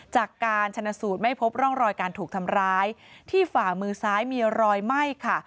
จากการชนสูตรไม่พบร่องรอยการถูกทำร้ายที่ฝ่ามือซ้ายมีรอยไหม้ค่ะ